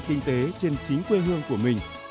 kinh tế trên chính quê hương của mình